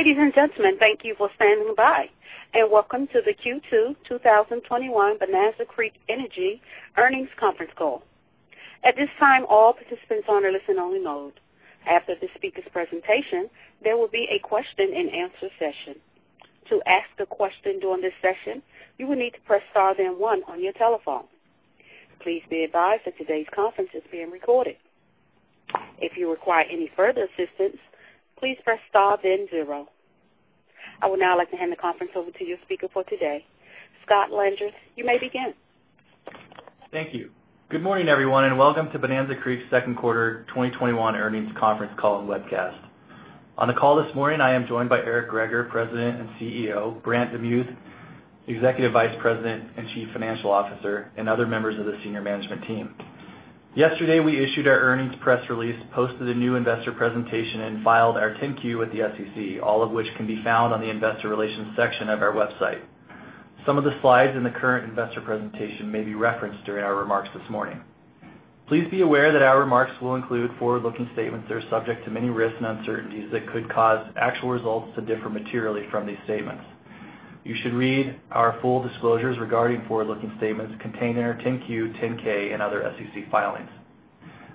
Ladies and gentlemen, thank you for standing by, and welcome to the Q2 2021 Bonanza Creek Energy earnings conference call. At this time, all participants are on a listen-only mode. After the speaker's presentation, there will be a question and answer session. To ask a question during this session, you will need to press star then one on your telephone. Please be advised that today's conference is being recorded. If you require any further assistance, please press star then zero. I would now like to hand the conference over to your speaker for today, Scott Landreth. You may begin. Thank you. Good morning, everyone, and welcome to Bonanza Creek's second quarter 2021 earnings conference call and webcast. On the call this morning, I am joined by Eric Greager, President and CEO, Brant DeMuth, Executive Vice President and Chief Financial Officer, and other members of the senior management team. Yesterday, we issued our earnings press release, posted a new investor presentation, and filed our 10-Q with the SEC, all of which can be found on the investor relations section of our website. Some of the slides in the current investor presentation may be referenced during our remarks this morning. Please be aware that our remarks will include forward-looking statements that are subject to many risks and uncertainties that could cause actual results to differ materially from these statements. You should read our full disclosures regarding forward-looking statements contained in our 10-Q, 10-K and other SEC filings.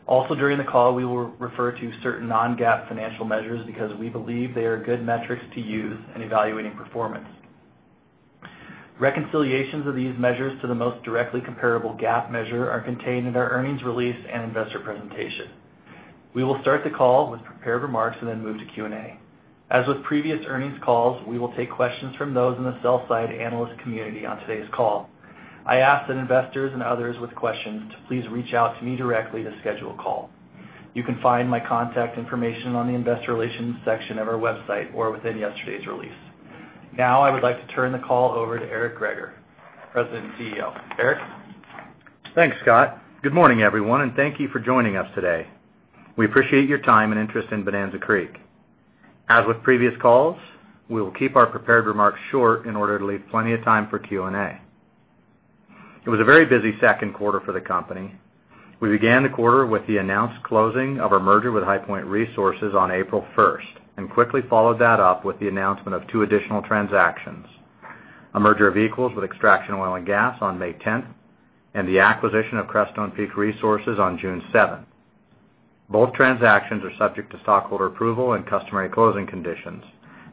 Also, during the call, we will refer to certain non-GAAP financial measures because we believe they are good metrics to use in evaluating performance. Reconciliations of these measures to the most directly comparable GAAP measure are contained in our earnings release and investor presentation. We will start the call with prepared remarks and then move to Q&A. As with previous earnings calls, we will take questions from those in the sell-side analyst community on today's call. I ask that investors and others with questions to please reach out to me directly to schedule a call. You can find my contact information on the investor relations section of our website or within yesterday's release. Now, I would like to turn the call over to Eric Greager, President and CEO. Eric? Thanks, Scott. Good morning, everyone, and thank you for joining us today. We appreciate your time and interest in Bonanza Creek. As with previous calls, we will keep our prepared remarks short in order to leave plenty of time for Q&A. It was a very busy second quarter for the company. We began the quarter with the announced closing of our merger with HighPoint Resources on April 1st and quickly followed that up with the announcement of two additional transactions, a merger of equals with Extraction Oil & Gas on May 10th, and the acquisition of Crestone Peak Resources on June 7th. Both transactions are subject to stockholder approval and customary closing conditions.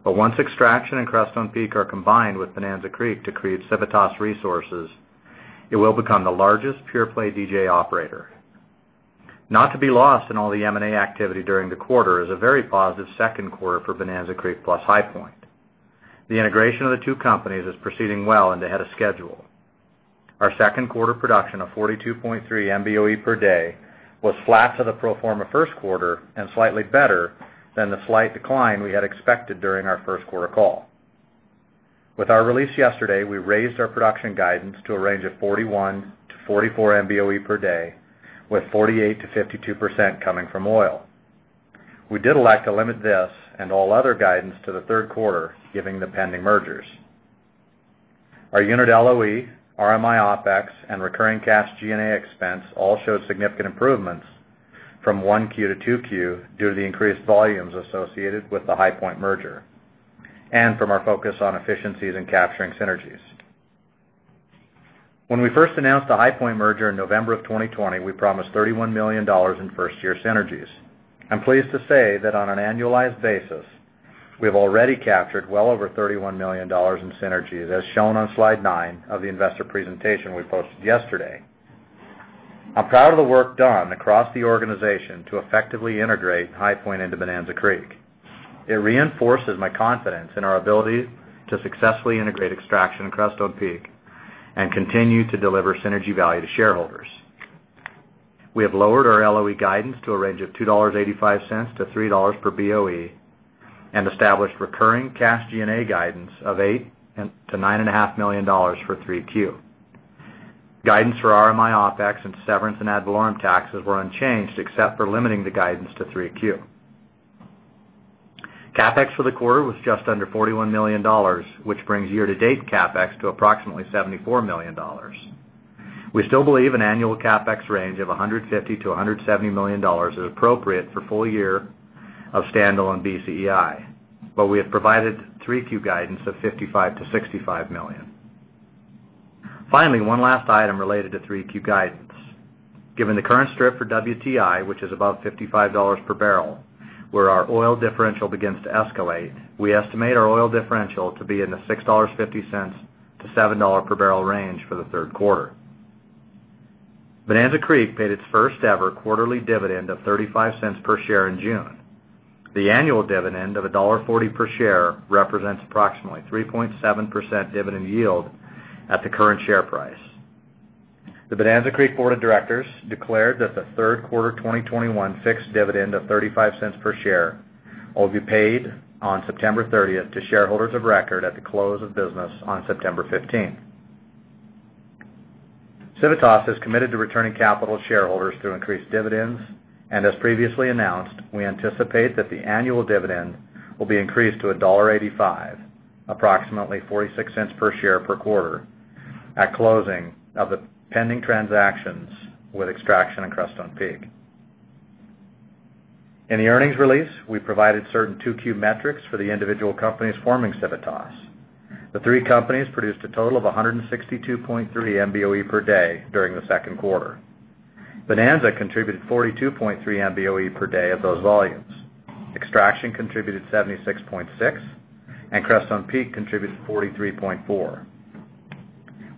Once Extraction and Crestone Peak are combined with Bonanza Creek to create Civitas Resources, it will become the largest pure-play DJ operator. Not to be lost in all the M&A activity during the quarter is a very positive second quarter for Bonanza Creek plus HighPoint. The integration of the two companies is proceeding well and ahead of schedule. Our second quarter production of 42.3 MBoe/d was flat to the pro forma first quarter and slightly better than the slight decline we had expected during our first quarter call. With our release yesterday, we raised our production guidance to a range of 41-44 MBoe/d, with 48%-52% coming from oil. We did elect to limit this and all other guidance to the third quarter, given the pending mergers. Our unit LOE, RMI OpEx, and recurring cash G&A expense all showed significant improvements from 1Q to 2Q due to the increased volumes associated with the HighPoint merger and from our focus on efficiencies and capturing synergies. When we first announced the HighPoint merger in November 2020, we promised $31 million in first-year synergies. I'm pleased to say that on an annualized basis, we have already captured well over $31 million in synergies, as shown on slide nine of the investor presentation we posted yesterday. I'm proud of the work done across the organization to effectively integrate HighPoint into Bonanza Creek. It reinforces my confidence in our ability to successfully integrate Extraction and Crestone Peak and continue to deliver synergy value to shareholders. We have lowered our LOE guidance to a range of $2.85-$3 per BOE and established recurring cash G&A guidance of $8 million-$9.5 million for 3Q. Guidance for RMI OpEx and severance and ad valorem taxes were unchanged, except for limiting the guidance to 3Q. CapEx for the quarter was just under $41 million, which brings year-to-date CapEx to approximately $74 million. We still believe an annual CapEx range of $150 million-$170 million is appropriate for full year of standalone BCEI but we have provided 3Q guidance of $55 million-$65 million. Finally, one last item related to 3Q guidance. Given the current strip for WTI, which is above $55/bbl, where our oil differential begins to escalate, we estimate our oil differential to be in the $6.50-$7.00/bbl range for the third quarter. Bonanza Creek paid its first-ever quarterly dividend of $0.35 per share in June. The annual dividend of $1.40 per share represents approximately 3.7% dividend yield at the current share price. The Bonanza Creek board of directors declared that the third quarter 2021 fixed dividend of $0.35 per share will be paid on September 30th to shareholders of record at the close of business on September 15th. Civitas has committed to returning capital to shareholders through increased dividends, and as previously announced, we anticipate that the annual dividend will be increased to $1.85, approximately $0.46 per share per quarter at closing of the pending transactions with Extraction and Crestone Peak. In the earnings release, we provided certain 2Q metrics for the individual companies forming Civitas. The three companies produced a total of 162.3 MBoe/d during the second quarter. Bonanza contributed 42.3 MBoe/d of those volumes. Extraction contributed 76.6 MBoe/d, and Crestone Peak contributed 43.4 MBoe/d.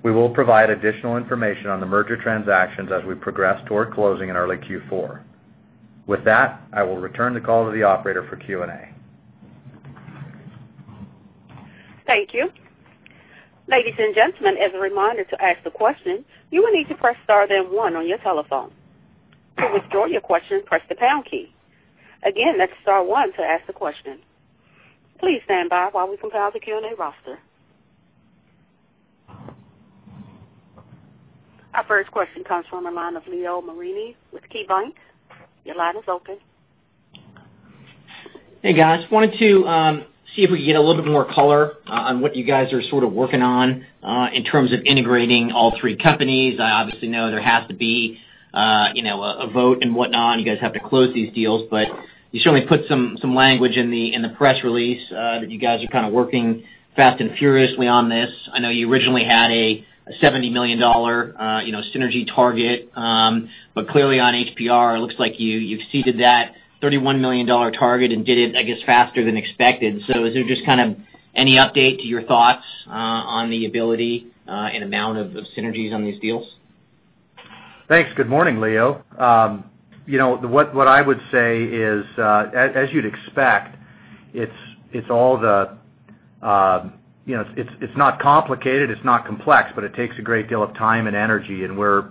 We will provide additional information on the merger transactions as we progress toward closing in early Q4. With that, I will return the call to the operator for Q&A. Thank you. Ladies and gentlemen, as a reminder, to ask the question, you will need to press star then one on your telephone. To withdraw your question, press the pound key. Again, that's star one to ask the question. Please stand by while we compile the Q&A roster. Our first question comes from the line of Leo Mariani with KeyBanc. Your line is open. Hey, guys. Wanted to see if we could get a little bit more color on what you guys are sort of working on in terms of integrating all three companies. I obviously know there has to be a vote and whatnot, and you guys have to close these deals, but you certainly put some language in the press release that you guys are kind of working fast and furiously on this. I know you originally had a $70 million synergy target. Clearly on HPR, it looks like you've seeded that $31 million target and did it, I guess, faster than expected. Is there just kind of any update to your thoughts on the ability and amount of synergies on these deals? Thanks. Good morning, Leo. What I would say is, as you'd expect, it's not complicated, it's not complex, but it takes a great deal of time and energy, and we're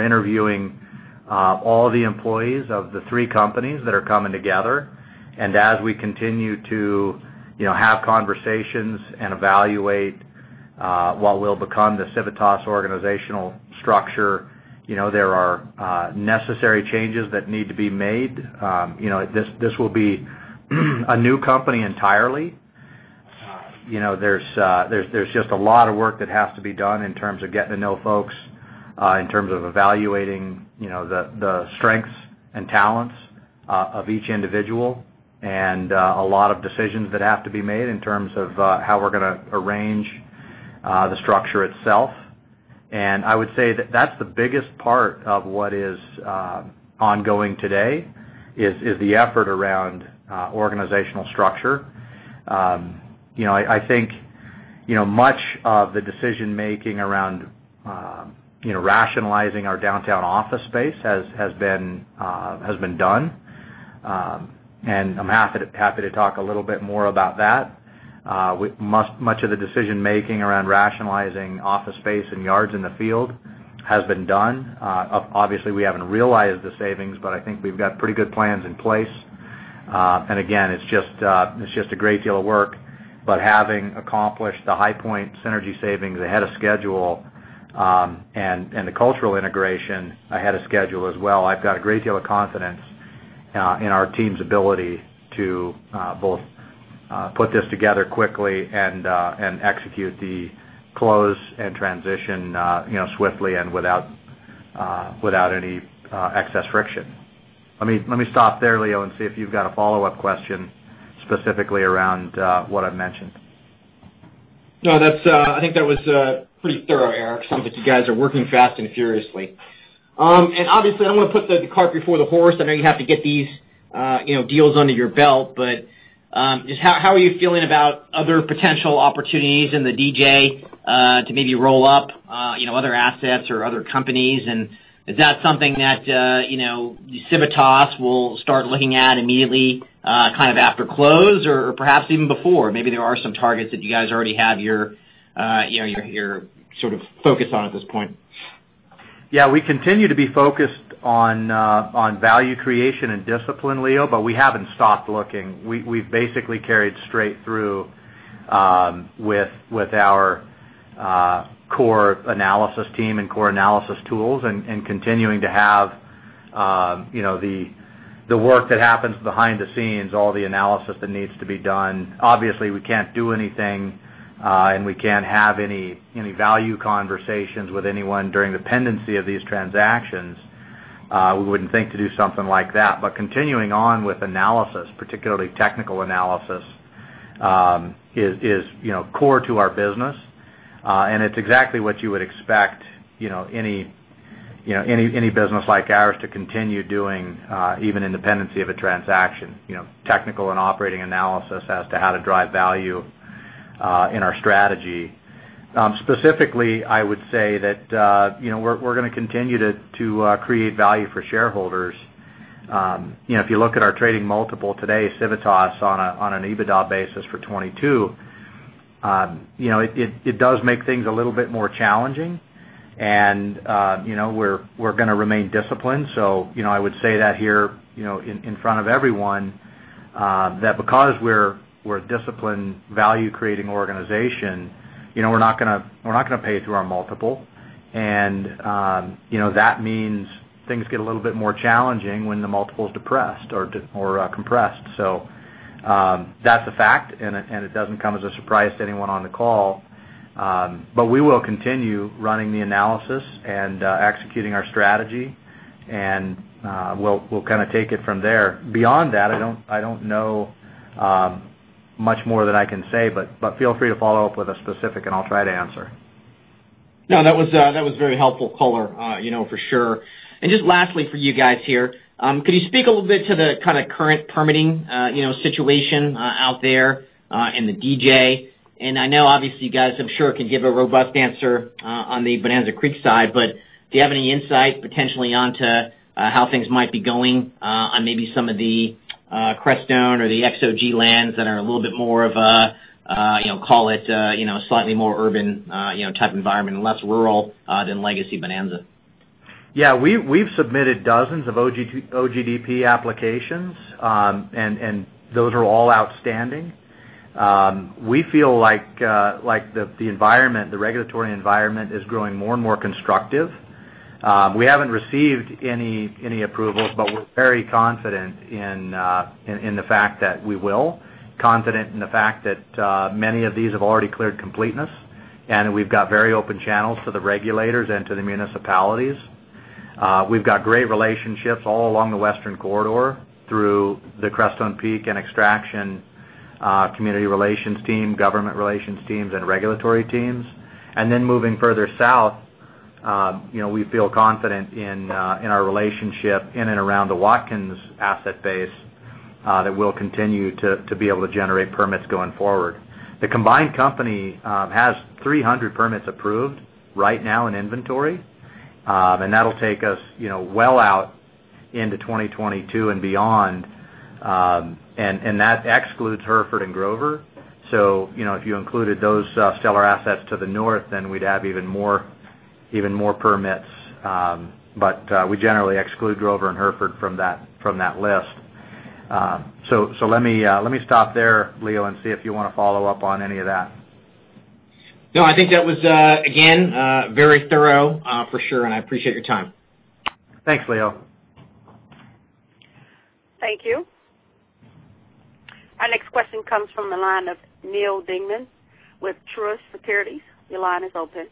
interviewing all the employees of the three companies that are coming together. As we continue to have conversations and evaluate what will become the Civitas organizational structure, there are necessary changes that need to be made. This will be a new company entirely. There's just a lot of work that has to be done in terms of getting to know folks, in terms of evaluating the strengths and talents of each individual, and a lot of decisions that have to be made in terms of how we're going to arrange the structure itself. I would say that that's the biggest part of what is ongoing today, is the effort around organizational structure. I think much of the decision making around rationalizing our downtown office space has been done. I'm happy to talk a little bit more about that. Much of the decision making around rationalizing office space and yards in the field has been done. Obviously, we haven't realized the savings, but I think we've got pretty good plans in place. Again, it's just a great deal of work, but having accomplished the HighPoint synergy savings ahead of schedule, and the cultural integration ahead of schedule as well, I've got a great deal of confidence in our team's ability to both put this together quickly and execute the close and transition swiftly and without any excess friction. Let me stop there, Leo, and see if you've got a follow-up question specifically around what I mentioned. No, I think that was pretty thorough, Eric. Sounds like you guys are working fast and furiously. Obviously I don't want to put the cart before the horse. I know you have to get these deals under your belt, just how are you feeling about other potential opportunities in the DJ to maybe roll up other assets or other companies? Is that something that Civitas will start looking at immediately kind of after close or perhaps even before? Maybe there are some targets that you guys already have your sort of focus on at this point. Yeah, we continue to be focused on value creation and discipline, Leo, but we haven't stopped looking. We've basically carried straight through with our core analysis team and core analysis tools and continuing to have the work that happens behind the scenes, all the analysis that needs to be done. Obviously, we can't do anything, and we can't have any value conversations with anyone during the pendency of these transactions. We wouldn't think to do something like that. Continuing on with analysis, particularly technical analysis, is core to our business. It's exactly what you would expect any business like ours to continue doing, even in the pendency of a transaction, technical and operating analysis as to how to drive value in our strategy. Specifically, I would say that we're going to continue to create value for shareholders. If you look at our trading multiple today, Civitas on an EBITDA basis for 2022, it does make things a little bit more challenging, and we're going to remain disciplined. I would say that here in front of everyone, that because we're a disciplined value-creating organization, we're not going to pay through our multiple, and that means things get a little bit more challenging when the multiple's depressed or compressed. That's a fact, and it doesn't come as a surprise to anyone on the call. We will continue running the analysis and executing our strategy, and we'll take it from there. Beyond that, I don't know much more that I can say, but feel free to follow up with a specific and I'll try to answer. No, that was a very helpful color, for sure. Just lastly for you guys here, could you speak a little bit to the kind of current permitting situation out there in the DJ? I know obviously you guys, I'm sure, can give a robust answer on the Bonanza Creek side, but do you have any insight potentially onto how things might be going on maybe some of the Crestone or the XOG lands that are a little bit more of a slightly more urban type environment and less rural than legacy Bonanza? Yeah. We've submitted dozens of OGDP applications, and those are all outstanding. We feel like the regulatory environment is growing more and more constructive. We haven't received any approvals, but we're very confident in the fact that we will. Confident in the fact that many of these have already cleared completeness, and we've got very open channels to the regulators and to the municipalities. We've got great relationships all along the Western corridor through the Crestone Peak and Extraction community relations team, government relations teams, and regulatory teams. Then moving further south, we feel confident in our relationship in and around the Watkins asset base, that we'll continue to be able to generate permits going forward. The combined company has 300 permits approved right now in inventory. That'll take us well out into 2022 and beyond. That excludes Hereford and Grover. If you included those stellar assets to the north, then we'd have even more permits. We generally exclude Grover and Hereford from that list. Let me stop there, Leo, and see if you want to follow up on any of that. No, I think that was, again, very thorough for sure, and I appreciate your time. Thanks, Leo. Thank you. Our next question comes from the line of Neal Dingmann with Truist Securities. Your line is open.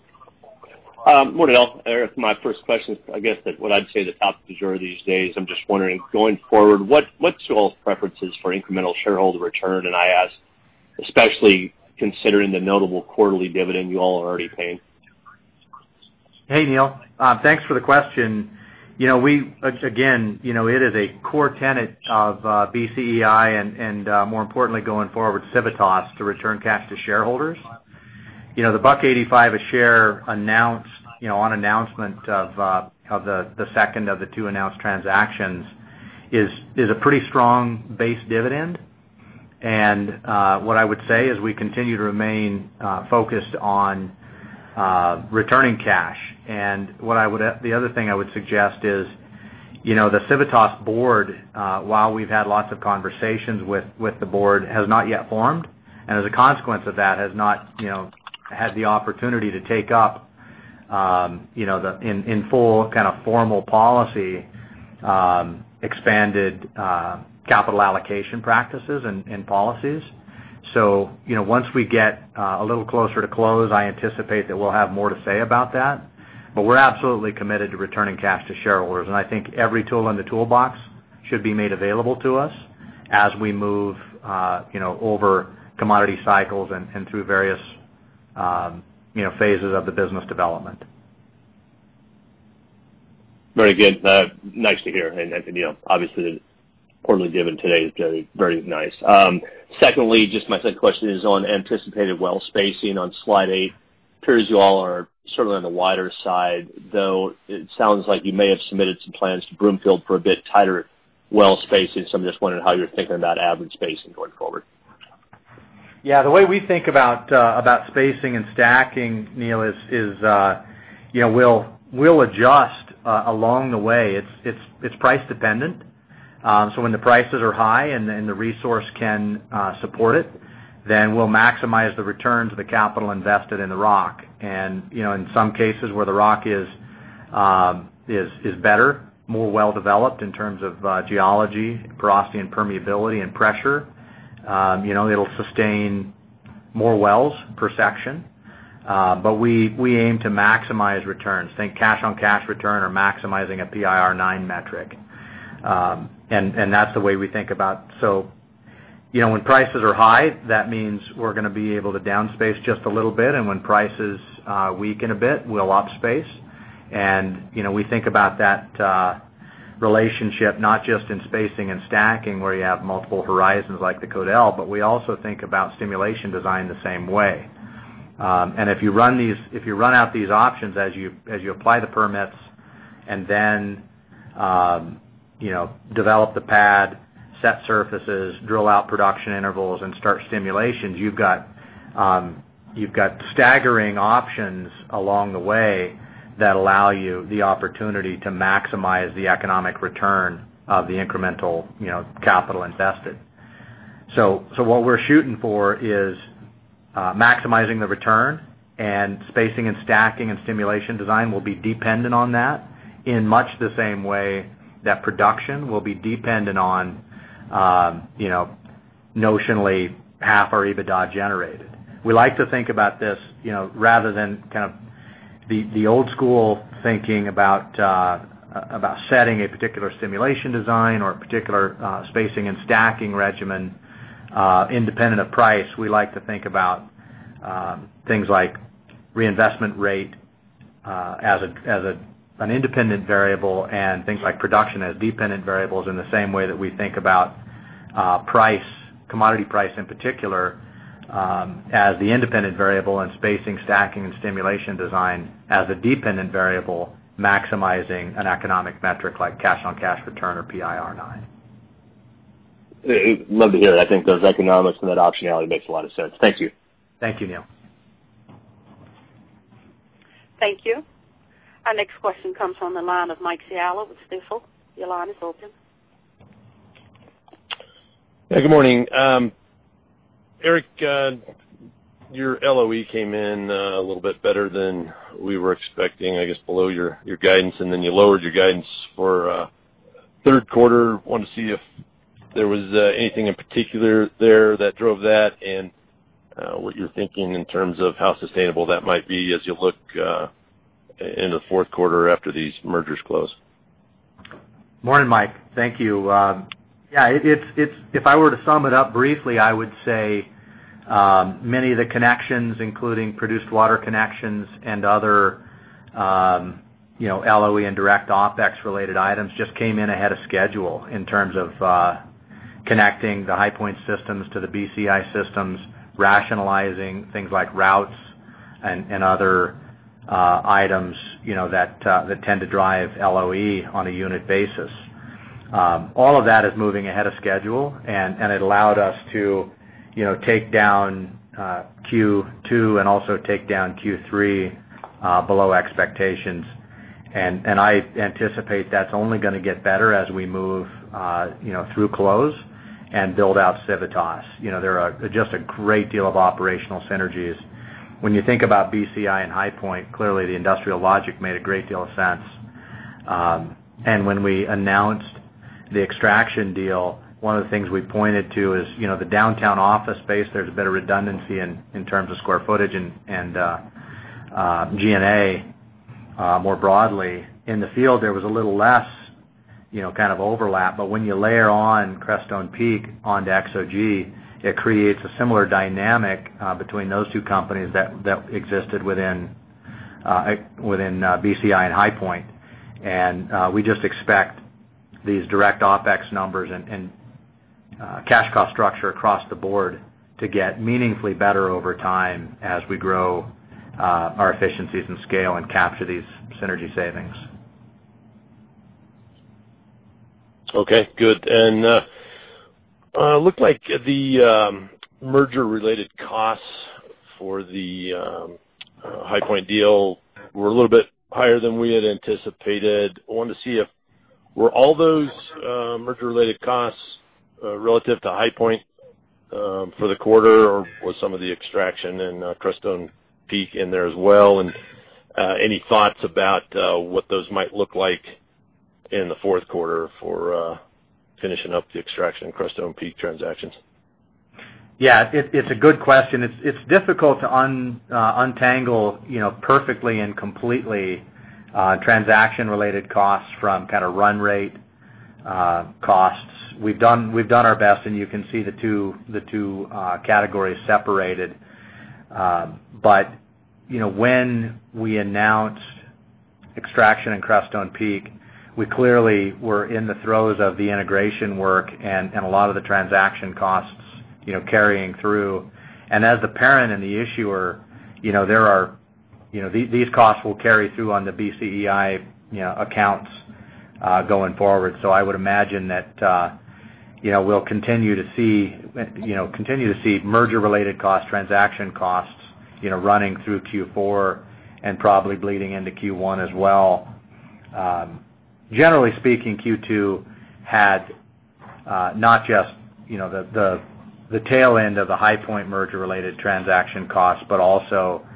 Good morning, Eric. My first question is, I guess what I'd say the top of the agenda these days, I'm just wondering, going forward, what's your preferences for incremental shareholder return? I ask especially considering the notable quarterly dividend you all are already paying. Hey, Neal. It is a core tenet of BCEI and more importantly going forward, Civitas, to return cash to shareholders. The $1.85 a share on announcement of the second of the two announced transactions is a pretty strong base dividend. What I would say is we continue to remain focused on returning cash. The other thing I would suggest is the Civitas board, while we've had lots of conversations with the board, has not yet formed. As a consequence of that, has not had the opportunity to take up in full kind of formal policy, expanded capital allocation practices and policies. Once we get a little closer to close, I anticipate that we'll have more to say about that. We're absolutely committed to returning cash to shareholders, and I think every tool in the toolbox should be made available to us as we move over commodity cycles and through various phases of the business development. Very good. Nice to hear. Obviously, the quarterly dividend today is very nice. Secondly, just my third question is on anticipated well spacing on slide 8. It appears you all are sort of on the wider side, though it sounds like you may have submitted some plans to Broomfield for a bit tighter well spacing. I'm just wondering how you're thinking about average spacing going forward. Yeah. The way we think about spacing and stacking, Neal, is we'll adjust along the way. It's price dependent. When the prices are high and the resource can support it, then we'll maximize the returns of the capital invested in the rock. In some cases where the rock is better, more well-developed in terms of geology, porosity, and permeability and pressure, it'll sustain more wells per section. We aim to maximize returns. Think cash-on-cash return or maximizing a PIR/I metric. That's the way we think about. When prices are high, that means we're going to be able to down space just a little bit, and when prices weaken a bit, we'll up space. We think about that relationship not just in spacing and stacking where you have multiple horizons like the Codell, but we also think about stimulation design the same way. If you run out these options as you apply the permits and then develop the pad, set surfaces, drill out production intervals and start stimulations, you've got staggering options along the way that allow you the opportunity to maximize the economic return of the incremental capital invested. What we're shooting for is maximizing the return and spacing and stacking and stimulation design will be dependent on that in much the same way that production will be dependent on notionally half our EBITDA generated. We like to think about this rather than the old school thinking about setting a particular stimulation design or a particular spacing and stacking regimen independent of price. We like to think about things like reinvestment rate as an independent variable and things like production as dependent variables in the same way that we think about commodity price in particular as the independent variable and spacing, stacking, and stimulation design as a dependent variable maximizing an economic metric like cash on cash return or PIR/I. Love to hear it. I think those economics and that optionality makes a lot of sense. Thank you. Thank you, Neal. Thank you. Our next question comes from the line of Mike Scialla with Stifel. Your line is open. Yeah, good morning. Eric, your LOE came in a little bit better than we were expecting, I guess below your guidance, and then you lowered your guidance for third quarter. Wanted to see if there was anything in particular there that drove that and what you're thinking in terms of how sustainable that might be as you look into the fourth quarter after these mergers close. Morning, Mike. Thank you. Yeah, if I were to sum it up briefly, I would say many of the connections, including produced water connections and other LOE and direct OpEx related items, just came in ahead of schedule in terms of connecting the HighPoint systems to the BCEI systems, rationalizing things like routes and other items that tend to drive LOE on a unit basis. All of that is moving ahead of schedule, and it allowed us to take down Q2 and also take down Q3 below expectations. I anticipate that's only going to get better as we move through close and build out Civitas. There are just a great deal of operational synergies. When you think about BCEI and HighPoint, clearly the industrial logic made a great deal of sense. When we announced the Extraction, one of the things we pointed to is the downtown office space, there's a bit of redundancy in terms of square footage and G&A more broadly. In the field, there was a little less overlap, but when you layer on Crestone Peak onto XOG, it creates a similar dynamic between those two companies that existed within BCEI and HighPoint. We just expect these direct OpEx numbers and cash cost structure across the board to get meaningfully better over time as we grow our efficiencies and scale and capture these synergy savings. Okay, good. Looked like the merger-related costs for the HighPoint deal were a little bit higher than we had anticipated. Wanted to see if were all those merger-related costs relative to HighPoint for the quarter, or was some of the Extraction and Crestone Peak in there as well? Any thoughts about what those might look like in the fourth quarter for finishing up the Extraction and Crestone Peak transactions? Yeah. It's a good question. It's difficult to untangle perfectly and completely transaction-related costs from run rate costs. We've done our best, and you can see the two categories separated. When we announced Extraction and Crestone Peak, we clearly were in the throes of the integration work and a lot of the transaction costs carrying through. As the parent and the issuer, these costs will carry through on the BCEI accounts going forward. I would imagine that we'll continue to see merger-related costs, transaction costs running through Q4 and probably bleeding into Q1 as well. Generally speaking, Q2 had not just, the tail end of the HighPoint merger-related transaction costs, but also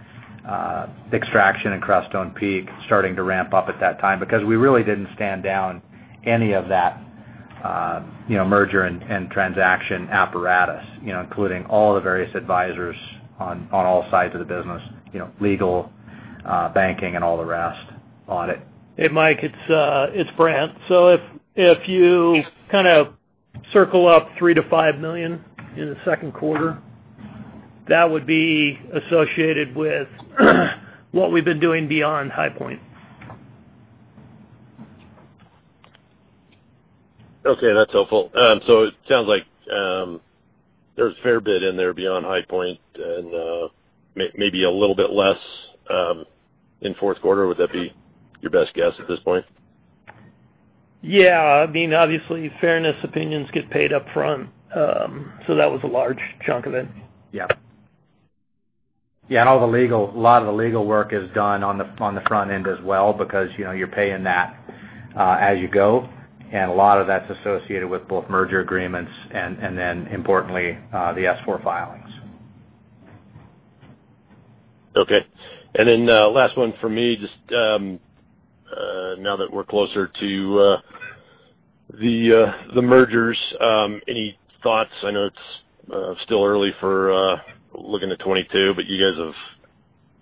Extraction and Crestone Peak starting to ramp up at that time, because we really didn't stand down any of that merger and transaction apparatus including all the various advisors on all sides of the business, legal, banking, and all the rest, audit. Hey, Mike, it's Brant. If you circle up $3 million-$5 million in the second quarter, that would be associated with what we've been doing beyond HighPoint. Okay, that's helpful. It sounds like there's a fair bit in there beyond HighPoint and maybe a little bit less in fourth quarter. Would that be your best guess at this point? Obviously, fairness opinions get paid up front. That was a large chunk of it. Yeah. A lot of the legal work is done on the front end as well because you're paying that as you go. A lot of that's associated with both merger agreements and then importantly, the S-4 filings. Okay. Last one from me, just now that we're closer to the mergers, any thoughts? I know it's still early for looking at 2022. You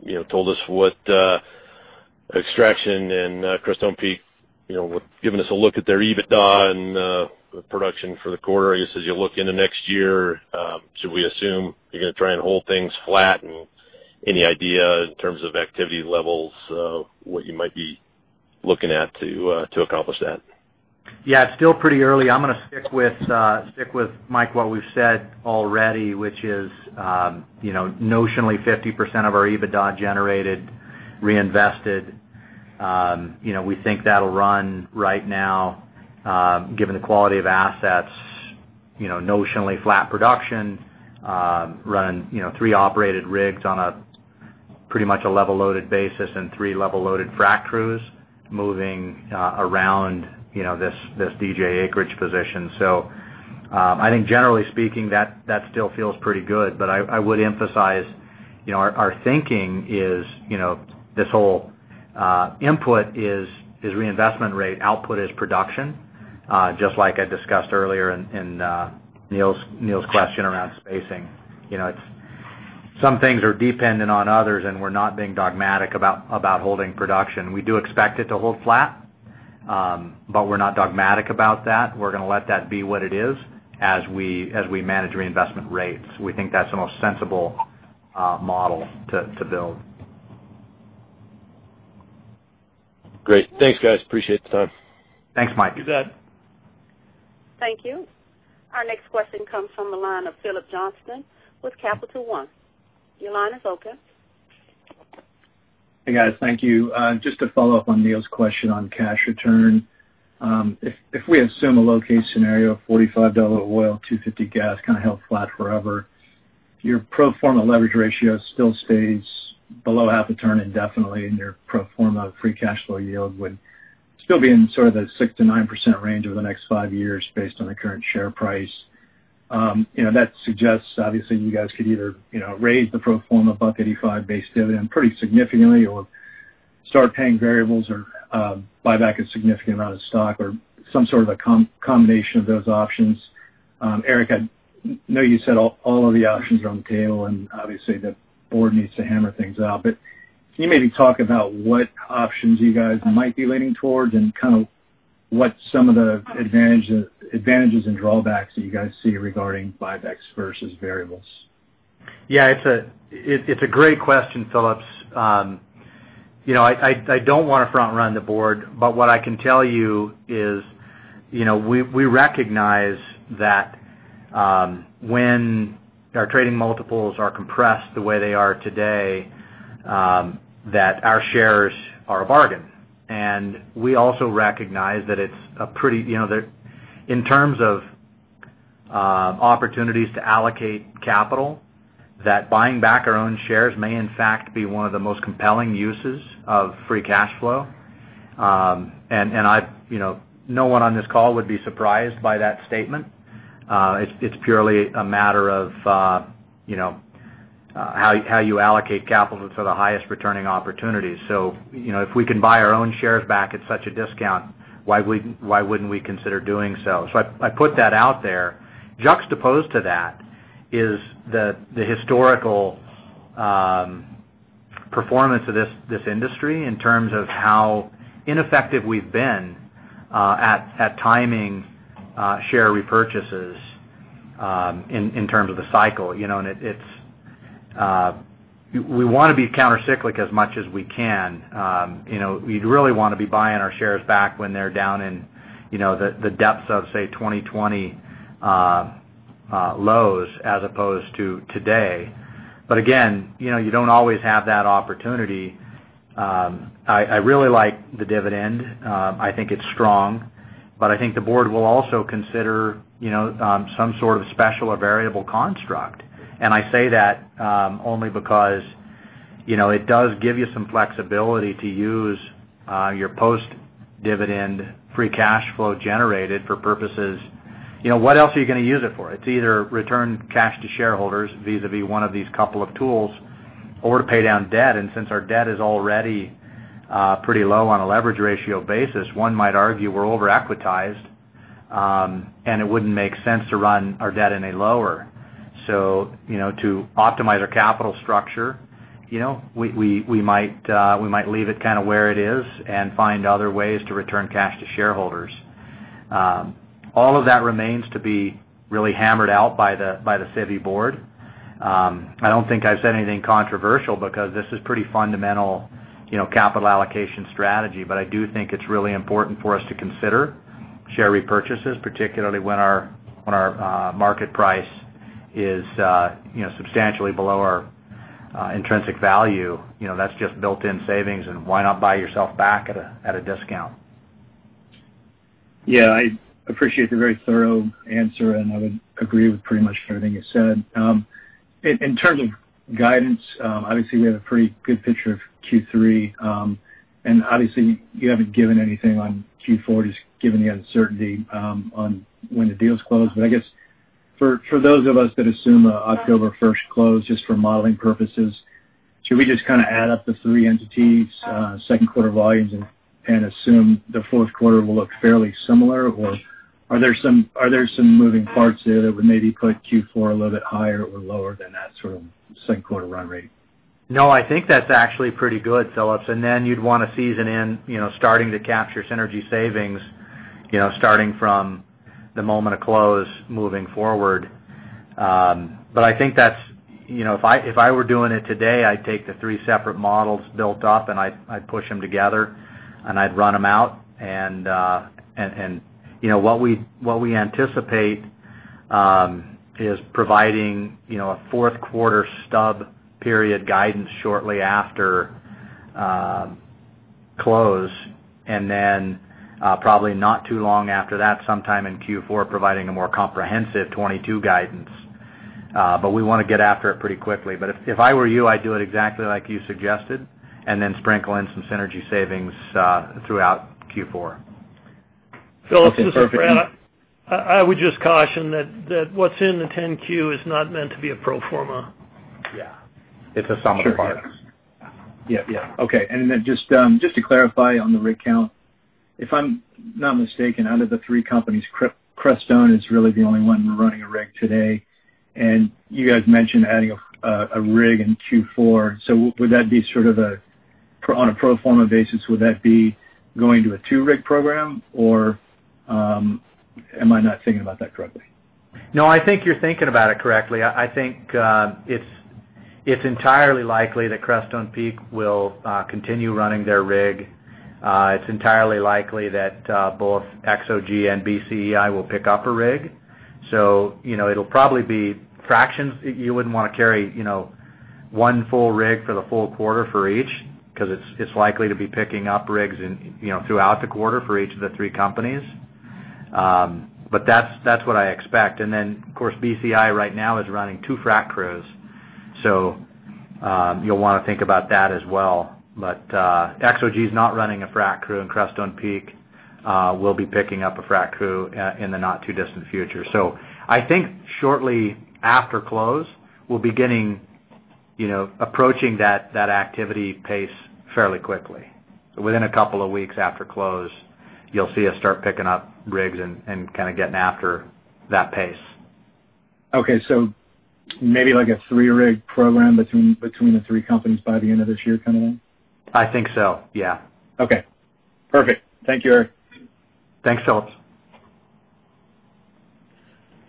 guys have told us what Extraction and Crestone Peak, giving us a look at their EBITDA and the production for the quarter. I guess as you look into next year, should we assume you're going to try and hold things flat? Any idea in terms of activity levels of what you might be looking at to accomplish that? Yeah, it's still pretty early. I'm going to stick with, Mike, what we've said already, which is notionally 50% of our EBITDA generated reinvested. We think that'll run right now, given the quality of assets, notionally flat production, running three operated rigs on a pretty much a level-loaded basis and three level-loaded frac crews moving around this DJ acreage position. I think generally speaking, that still feels pretty good. I would emphasize, our thinking is this whole input is reinvestment rate, output is production. Just like I discussed earlier in Neal's question around spacing. Some things are dependent on others, and we're not being dogmatic about holding production. We do expect it to hold flat, but we're not dogmatic about that. We're going to let that be what it is as we manage reinvestment rates. We think that's the most sensible model to build. Great. Thanks, guys. Appreciate the time. Thanks, Mike. You bet. Thank you. Our next question comes from the line of Phillips Johnston with Capital One. Your line is open. Hey, guys. Thank you. Just to follow up on Neal's question on cash return. If we assume a low-case scenario of $45 oil, $250 gas, held flat forever, your pro forma leverage ratio still stays below 0.5x indefinitely, and your pro forma free cash flow yield would still be in the 6%-9% range over the next five years based on the current share price. That suggests, obviously, you guys could either raise the pro forma above 85% base dividend pretty significantly or start paying variables or buy back a significant amount of stock or some sort of a combination of those options. Eric, I know you said all of the options are on the table, and obviously the board needs to hammer things out, but can you maybe talk about what options you guys might be leaning towards and what some of the advantages and drawbacks that you guys see regarding buybacks versus variables? Yeah, it's a great question, Phillips. I don't want to front run the board, but what I can tell you is we recognize that when our trading multiples are compressed the way they are today, that our shares are a bargain. We also recognize that in terms of opportunities to allocate capital, that buying back our own shares may, in fact, be one of the most compelling uses of free cash flow. No one on this call would be surprised by that statement. It's purely a matter of how you allocate capital to the highest returning opportunities. If we can buy our own shares back at such a discount, why wouldn't we consider doing so? I put that out there. Juxtaposed to that is the historical performance of this industry in terms of how ineffective we've been at timing share repurchases in terms of the cycle. We want to be counter-cyclic as much as we can. We'd really want to be buying our shares back when they're down in the depths of, say, 2020 lows as opposed to today. Again, you don't always have that opportunity. I really like the dividend. I think it's strong, but I think the board will also consider some sort of special or variable construct. I say that only because it does give you some flexibility to use your post-dividend free cash flow generated for purposes. What else are you going to use it for? It's either return cash to shareholders, vis-a-vis one of these couple of tools, or to pay down debt. Since our debt is already pretty low on a leverage ratio basis, one might argue we're over-equitized, and it wouldn't make sense to run our debt any lower. To optimize our capital structure, we might leave it where it is and find other ways to return cash to shareholders. All of that remains to be really hammered out by the Civitas board. I don't think I've said anything controversial because this is pretty fundamental capital allocation strategy. I do think it's really important for us to consider share repurchases, particularly when our market price is substantially below our intrinsic value. That's just built-in savings, and why not buy yourself back at a discount? Yeah, I appreciate the very thorough answer, I would agree with pretty much everything you said. In terms of guidance, obviously we have a pretty good picture of Q3, and obviously you haven't given anything on Q4, just given the uncertainty on when the deal's closed. I guess for those of us that assume an October 1st close, just for modeling purposes, should we just add up the three entities' second quarter volumes and assume the fourth quarter will look fairly similar? Are there some moving parts there that would maybe put Q4 a little bit higher or lower than that sort of second quarter run rate? I think that's actually pretty good, Phillips. You'd want to season in starting to capture synergy savings, starting from the moment of close moving forward. I think if I were doing it today, I'd take the three separate models built up, and I'd push them together, and I'd run them out. What we anticipate is providing a fourth-quarter stub period guidance shortly after close, and then probably not too long after that, sometime in Q4, providing a more comprehensive 2022 guidance. We want to get after it pretty quickly. If I were you, I'd do it exactly like you suggested, and then sprinkle in some synergy savings throughout Q4. Phillips, this is Brant. That's perfect. I would just caution that what's in the 10-Q is not meant to be a pro forma. Yeah. It's a sum of the parts. Yeah. Okay. Just to clarify on the rig count. If I'm not mistaken, out of the three companies, Crestone is really the only one running a rig today. You guys mentioned adding a rig in Q4. On a pro forma basis, would that be going to a two-rig program? Am I not thinking about that correctly? No, I think you're thinking about it correctly. I think it's entirely likely that Crestone Peak will continue running their rig. It's entirely likely that both XOG and BCEI will pick up a rig. It'll probably be fractions. You wouldn't want to carry one full rig for the full quarter for each, because it's likely to be picking up rigs throughout the quarter for each of the three companies. That's what I expect. Of course, BCEI right now is running two frac crews. You'll want to think about that as well. XOG's not running a frac crew, and Crestone Peak will be picking up a frac crew in the not-too-distant future. I think shortly after close, we'll begin approaching that activity pace fairly quickly. Within a couple of weeks after close, you'll see us start picking up rigs and getting after that pace. Okay. Maybe like a three-rig program between the three companies by the end of this year kind of thing? I think so. Yeah. Okay. Perfect. Thank you, Eric. Thanks, Phillips.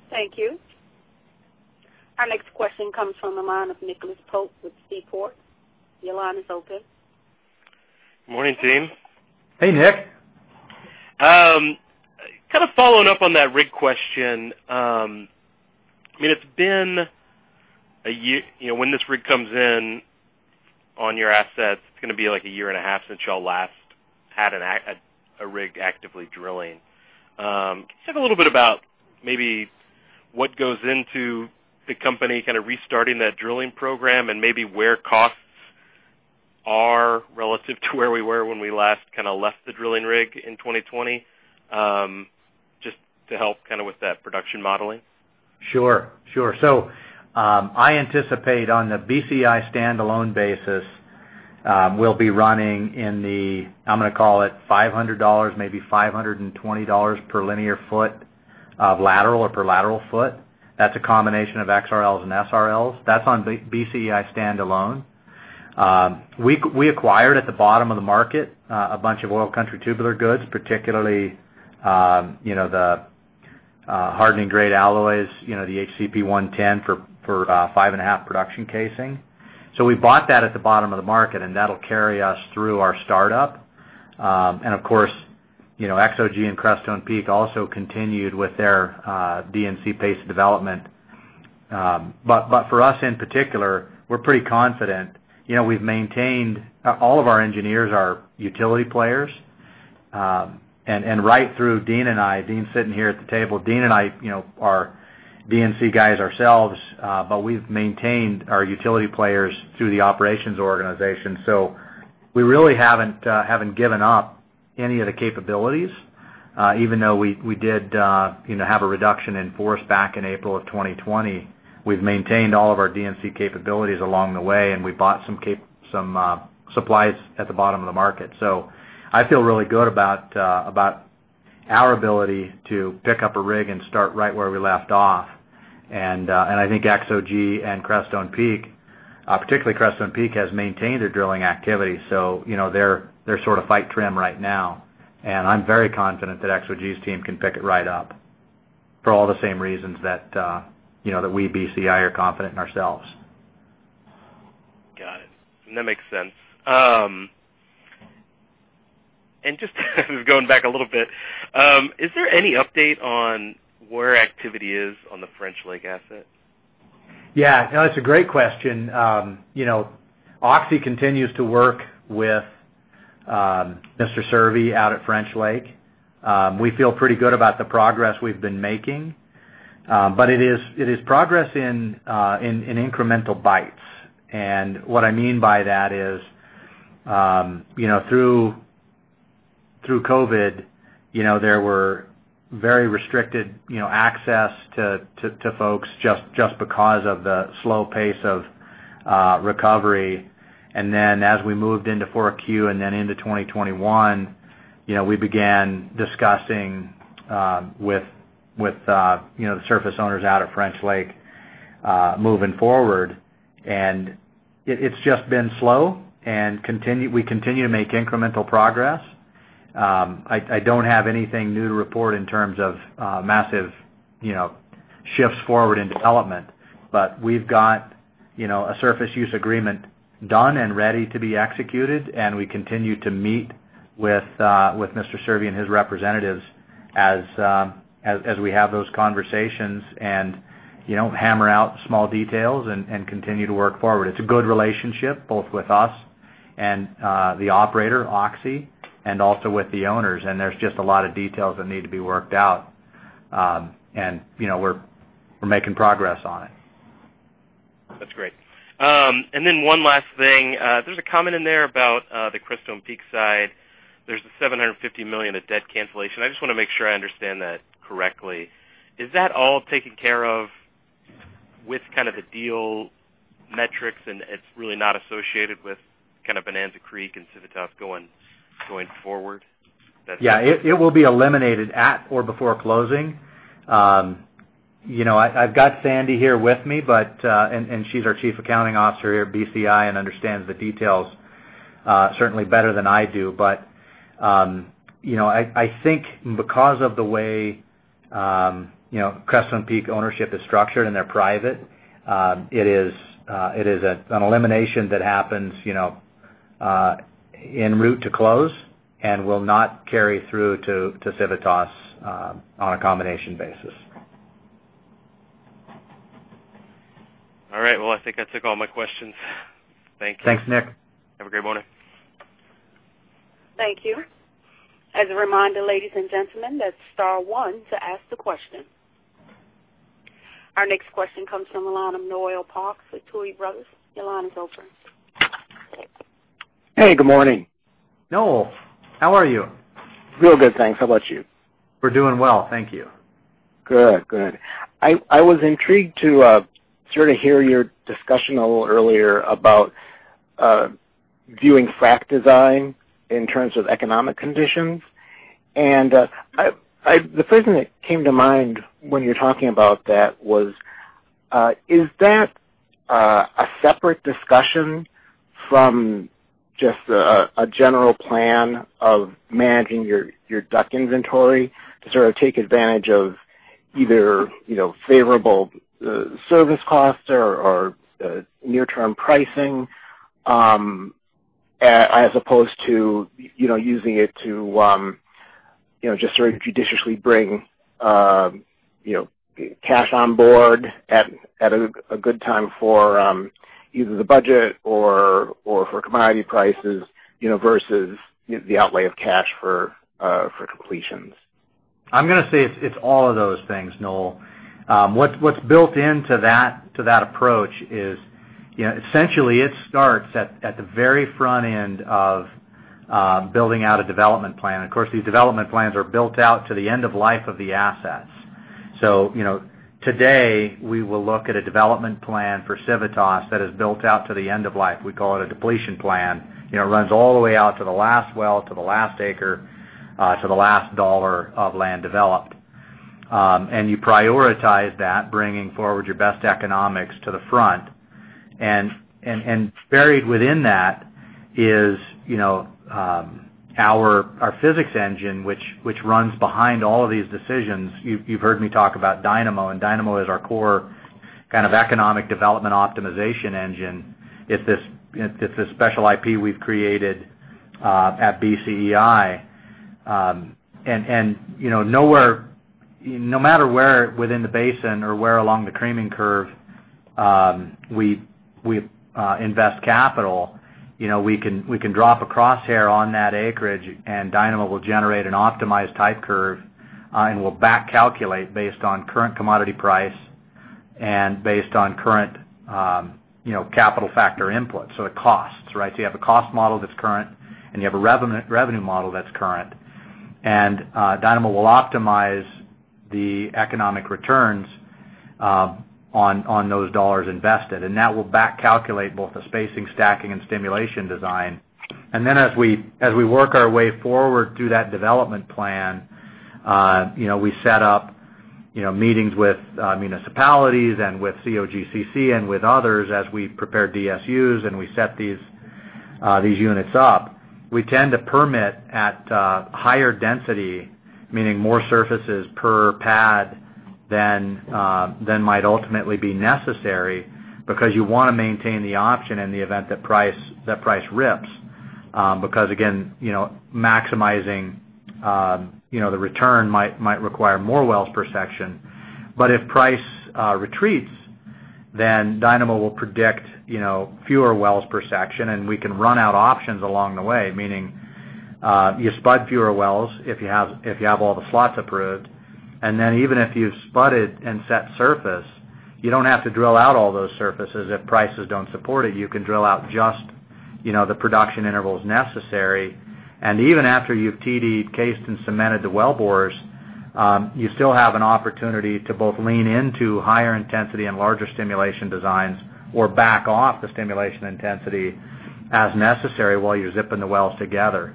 Thank you. Our next question comes from the line of Nicholas Pope with Seaport. Your line is open. Morning, team. Hey, Nick. Kind of following up on that rig question. When this rig comes in on your assets, it's going to be like a year and a half since you all last had a rig actively drilling. Can you talk a little bit about maybe what goes into the company restarting that drilling program, and maybe where costs are relative to where we were when we last left the drilling rig in 2020? Just to help with that production modeling. Sure. I anticipate on the BCEI standalone basis, we'll be running in the, I'm going to call it $500, maybe $520 per linear foot of lateral or per lateral foot. That's a combination of XRLs and SRLs. That's on BCEI standalone. We acquired, at the bottom of the market, a bunch of oil country tubular goods, particularly the hardening grade alloys, the HC-P110 for 5.5 production casing. We bought that at the bottom of the market, that'll carry us through our startup. Of course, XOG and Crestone Peak also continued with their D&C paced development. For us in particular, we're pretty confident. All of our engineers are utility players. Right through Dean and I, Dean's sitting here at the table, Dean and I are D&C guys ourselves, we've maintained our utility players through the operations organization. We really haven't given up any of the capabilities. Even though we did have a reduction in force back in April of 2020, we've maintained all of our D&C capabilities along the way, and we bought some supplies at the bottom of the market. I feel really good about our ability to pick up a rig and start right where we left off. I think XOG and Crestone Peak, particularly Crestone Peak, has maintained their drilling activity. They're sort of fight trim right now. I'm very confident that XOG's team can pick it right up for all the same reasons that we, BCEI, are confident in ourselves. Got it. That makes sense. Just going back a little bit. Is there any update on where activity is on the French Lake asset? Yeah. No, that's a great question. Oxy continues to work with Mr. Cervi out at French Lake. We feel pretty good about the progress we've been making. It is progress in incremental bites. What I mean by that is, through COVID, there were very restricted access to folks just because of the slow pace of recovery. As we moved into 4Q and then into 2021, we began discussing with the surface owners out at French Lake moving forward. It's just been slow, and we continue to make incremental progress. I don't have anything new to report in terms of massive shifts forward in development. We've got a surface use agreement done and ready to be executed, and we continue to meet with Mr. Cervi and his representatives as we have those conversations and hammer out small details and continue to work forward. It's a good relationship, both with us and the operator, Oxy, and also with the owners. There's just a lot of details that need to be worked out. We're making progress on it. That's great. Then one last thing. There's a comment in there about the Crestone Peak side. There's a $750 million of debt cancellation. I just want to make sure I understand that correctly. Is that all taken care of with the deal metrics, and it's really not associated with Bonanza Creek and Civitas going forward? It will be eliminated at or before closing. I've got Sandi here with me, and she's our Chief Accounting Officer here at BCEI and understands the details certainly better than I do. I think because of the way Crestone Peak ownership is structured, and they're private, it is an elimination that happens en route to close and will not carry through to Civitas on a combination basis. All right. Well, I think I took all my questions. Thank you. Thanks, Nick. Have a great morning. Thank you. As a reminder, ladies and gentlemen, that is star 1 to ask the question. Our next question comes from the line of Noel Parks with Tuohy Brothers. Your line is open. Hey, good morning. Noel, how are you? Real good, thanks. How about you? We're doing well. Thank you. Good. I was intrigued to sort of hear your discussion a little earlier about viewing frac design in terms of economic conditions. The first thing that came to mind when you were talking about that was, is that a separate discussion from just a general plan of managing your DUC inventory to sort of take advantage of either favorable service costs or near-term pricing as opposed to using it to just sort of judiciously bring cash on board at a good time for either the budget or for commodity prices versus the outlay of cash for completions? I'm going to say it's all of those things, Noel. What's built into that approach is essentially it starts at the very front end of building out a development plan. Of course, these development plans are built out to the end of life of the assets. Today, we will look at a development plan for Civitas that is built out to the end of life. We call it a depletion plan. It runs all the way out to the last well, to the last acre, to the last dollar of land developed. You prioritize that, bringing forward your best economics to the front. Buried within that is our physics engine, which runs behind all of these decisions. You've heard me talk about Dynamo, and Dynamo is our core economic development optimization engine. It's this special IP we've created at BCEI. No matter where within the basin or where along the creaming curve we invest capital, we can drop a crosshair on that acreage, and Dynamo will generate an optimized type curve and will back calculate based on current commodity price and based on current capital factor input. It costs, right? You have a cost model that's current, and you have a revenue model that's current. Dynamo will optimize the economic returns on those dollars invested. That will back calculate both the spacing, stacking, and stimulation design. Then as we work our way forward through that development plan, we set up meetings with municipalities and with COGCC and with others as we prepare DSUs and we set these units up. We tend to permit at higher density, meaning more surfaces per pad than might ultimately be necessary because you want to maintain the option in the event that price rips. Again, maximizing the return might require more wells per section. If price retreats, Dynamo will predict fewer wells per section, and we can run out options along the way, meaning you spud fewer wells if you have all the slots approved. Even if you've spudded and set surface, you don't have to drill out all those surfaces if prices don't support it. You can drill out just the production intervals necessary. Even after you've TD'd, cased, and cemented the well bores, you still have an opportunity to both lean into higher intensity and larger stimulation designs or back off the stimulation intensity as necessary while you're zipping the wells together.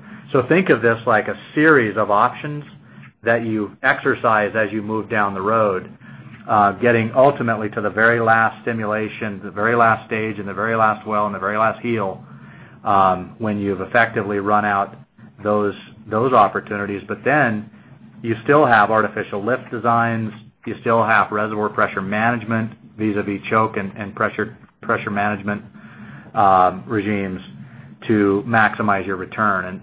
Think of this like a series of options that you exercise as you move down the road, getting ultimately to the very last stimulation, the very last stage, and the very last well, and the very last heel, when you've effectively run out those opportunities. You still have artificial lift designs. You still have reservoir pressure management vis-a-vis choke and pressure management regimes to maximize your return.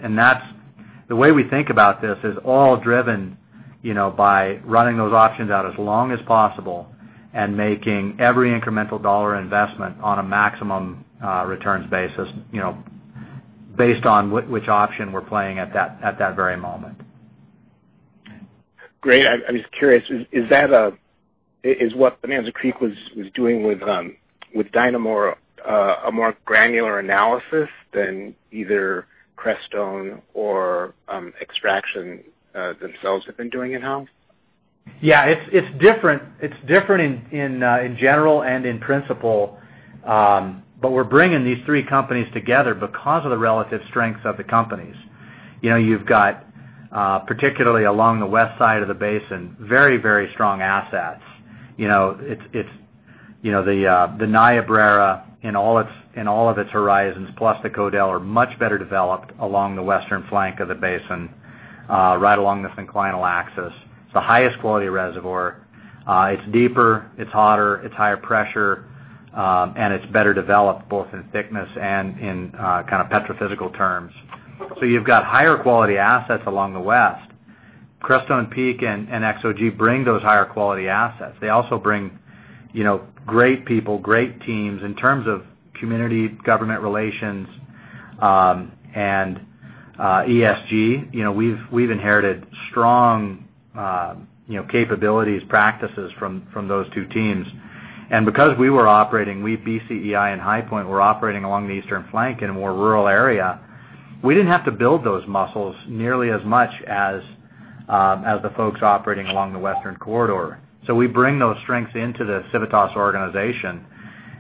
The way we think about this is all driven by running those options out as long as possible and making every incremental $1 investment on a maximum returns basis, based on which option we're playing at that very moment. Great. I'm just curious, is what Bonanza Creek was doing with Dynamo a more granular analysis than either Crestone or Extraction themselves have been doing in house? Yeah, it's different in general and in principle. We're bringing these three companies together because of the relative strengths of the companies. You've got, particularly along the west side of the basin, very strong assets. The Niobrara in all of its horizons, plus the Codell, are much better developed along the western flank of the basin, right along the synclinal axis. It's the highest quality reservoir. It's deeper, it's hotter, it's higher pressure, and it's better developed both in thickness and in petrophysical terms. You've got higher quality assets along the west. Crestone Peak and XOG bring those higher quality assets. They also bring great people, great teams in terms of community government relations, and ESG. We've inherited strong capabilities, practices from those two teams. Because we were operating, we, BCEI and HighPoint, were operating along the eastern flank in a more rural area, we didn't have to build those muscles nearly as much as the folks operating along the western corridor. We bring those strengths into the Civitas organization,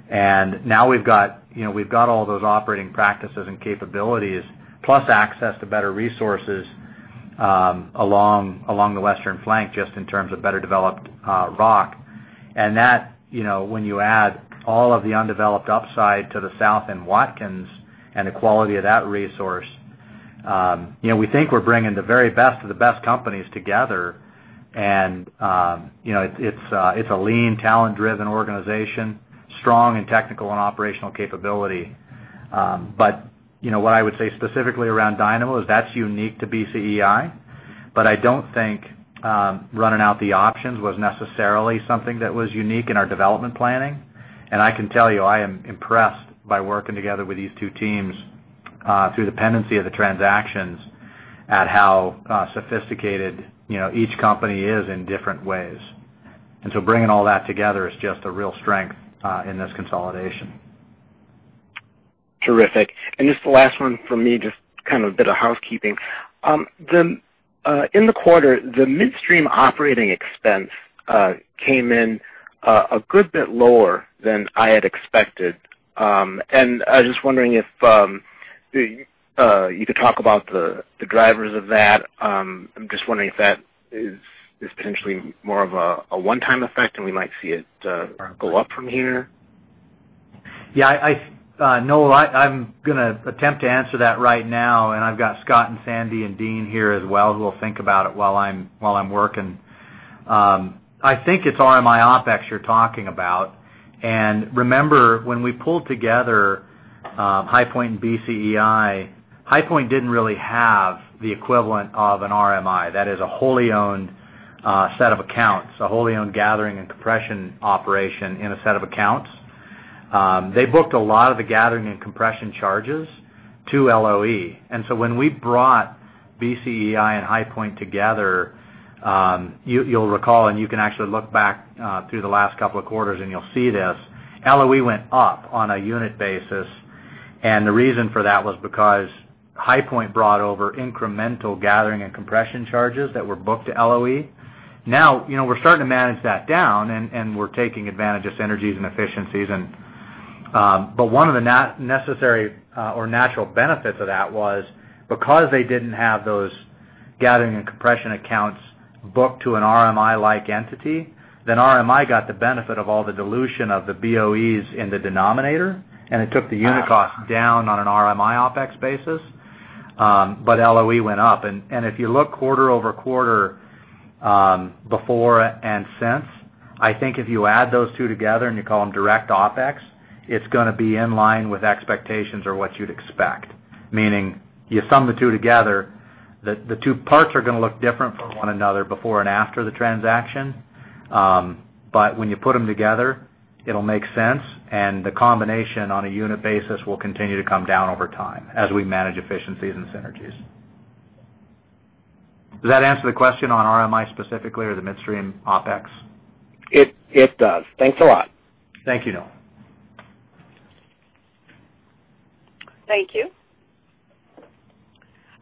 and now we've got all those operating practices and capabilities, plus access to better resources along the western flank, just in terms of better developed rock. That, when you add all of the undeveloped upside to the south in Watkins and the quality of that resource, we think we're bringing the very best of the best companies together. It's a lean, talent-driven organization, strong in technical and operational capability. What I would say specifically around Dynamo is that's unique to BCEI, but I don't think running out the options was necessarily something that was unique in our development planning. I can tell you, I am impressed by working together with these two teams, through dependency of the transactions, at how sophisticated each company is in different ways. Bringing all that together is just a real strength in this consolidation. Terrific. Just the last one from me, just a bit of housekeeping. In the quarter, the midstream operating expense came in a good bit lower than I had expected. I was just wondering if you could talk about the drivers of that. I'm just wondering if that is potentially more of a one-time effect and we might see it go up from here. Yeah, Noel, I'm going to attempt to answer that right now, and I've got Scott and Sandy and Dean here as well, who will think about it while I'm working. I think it's RMI OpEx you're talking about. Remember, when we pulled together HighPoint and BCEI, HighPoint didn't really have the equivalent of an RMI. That is a wholly owned set of accounts, a wholly owned gathering and compression operation in a set of accounts. They booked a lot of the gathering and compression charges to LOE. When we brought BCEI and HighPoint together, you'll recall, and you can actually look back through the last couple of quarters and you'll see this, LOE went up on a unit basis, and the reason for that was because HighPoint brought over incremental gathering and compression charges that were booked to LOE. Now, we're starting to manage that down and we're taking advantage of synergies and efficiencies. One of the necessary or natural benefits of that was because they didn't have those gathering and compression accounts booked to an RMI-like entity, then RMI got the benefit of all the dilution of the BOEs in the denominator, and it took the unit cost down on an RMI OpEx basis, but LOE went up. If you look quarter-over-quarter, before and since, I think if you add those two together and you call them direct OpEx, it's going to be in line with expectations or what you'd expect. Meaning, you sum the two together, the two parts are going to look different from one another before and after the transaction. When you put them together, it'll make sense, and the combination on a unit basis will continue to come down over time as we manage efficiencies and synergies. Does that answer the question on RMI specifically or the midstream OpEx? It does. Thanks a lot. Thank you, Noel. Thank you.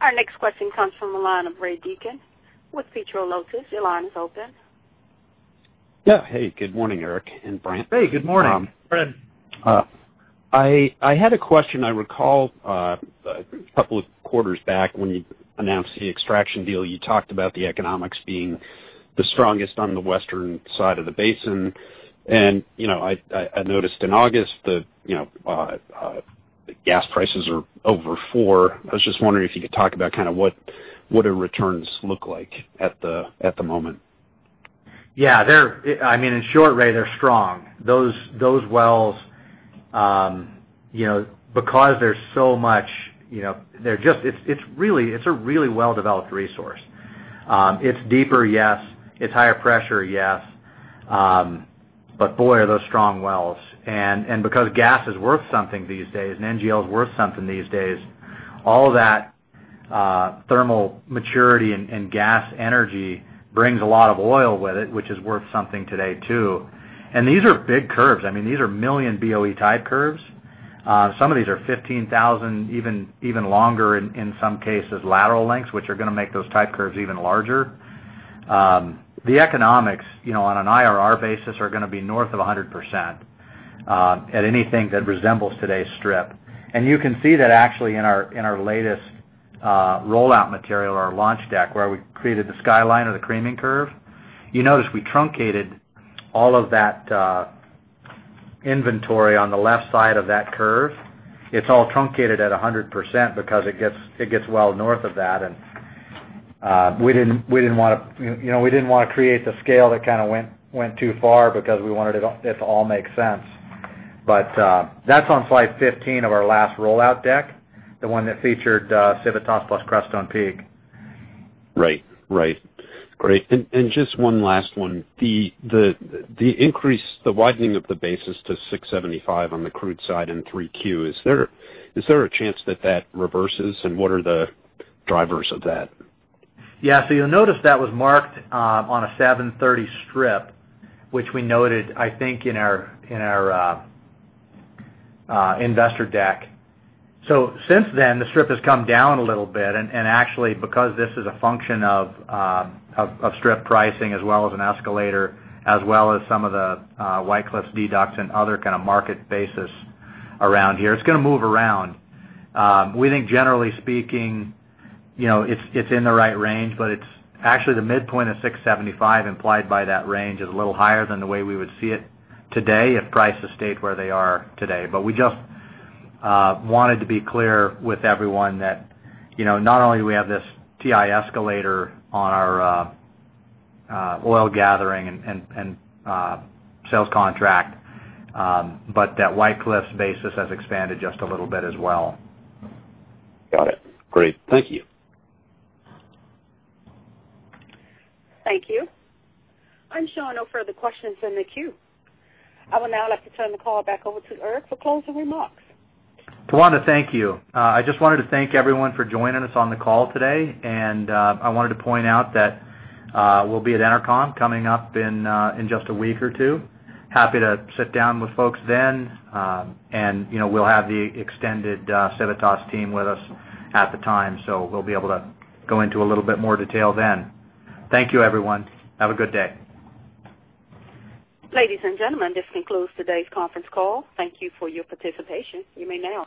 Our next question comes from the line of Ray Deacon with PetroLotus. Your line is open. Yeah. Hey, good morning, Eric and Brant. Hey, good morning. Ray. I had a question. I recall, a couple of quarters back when you announced the Extraction deal, you talked about the economics being the strongest on the western side of the basin. I noticed in August the gas prices are over $4. I was just wondering if you could talk about what the returns look like at the moment. In short, Ray, they're strong. Those wells, because it's a really well-developed resource. It's deeper, yes. It's higher pressure, yes. Boy, are those strong wells. Because gas is worth something these days, and NGL is worth something these days, all that thermal maturity and gas energy brings a lot of oil with it, which is worth something today, too. These are big curves. These are million BOE type curves. Some of these are 15,000, even longer in some cases, lateral lengths, which are going to make those type curves even larger. The economics, on an IRR basis, are going to be north of 100% at anything that resembles today's strip. You can see that actually in our latest rollout material or our launch deck, where we created the skyline or the creaming curve. You notice we truncated all of that inventory on the left side of that curve. It's all truncated at 100% because it gets well north of that. We didn't want to create the scale that went too far because we wanted it to all make sense. That's on slide 15 of our last rollout deck, the one that featured Civitas plus Crestone Peak. Right. Great. Just one last one. The widening of the basis to $6.75 on the crude side in 3Q, is there a chance that that reverses, and what are the drivers of that? You'll notice that was marked on a $7.30 strip, which we noted, I think, in our investor deck. Since then, the strip has come down a little bit, and actually, because this is a function of strip pricing as well as an escalator, as well as some of the White Cliffs deducts and other kind of market basis around here. It's going to move around. We think generally speaking, it's in the right range, but actually, the midpoint of $6.75 implied by that range is a little higher than the way we would see it today if prices stayed where they are today. We just wanted to be clear with everyone that not only do we have this TI escalator on our oil gathering and sales contract, but that White Cliffs basis has expanded just a little bit as well. Got it. Great. Thank you. Thank you. I'm showing no further questions in the queue. I would now like to turn the call back over to Eric for closing remarks. Tawanda, thank you. I just wanted to thank everyone for joining us on the call today, and I wanted to point out that we'll be at EnerCom coming up in just a week or two. Happy to sit down with folks then, and we'll have the extended Civitas team with us at the time, so we'll be able to go into a little bit more detail then. Thank you, everyone. Have a good day. Ladies and gentlemen, this concludes today's conference call. Thank you for your participation. You may now disconnect.